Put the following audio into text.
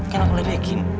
kan aku lagi yakin